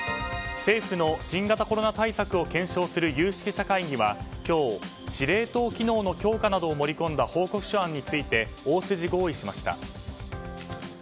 政府の新型コロナ対策を検証する有識者会議は今日司令塔機能の強化などを盛り込んだ報告書案について大筋合意しました。